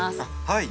はい。